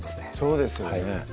そうですよね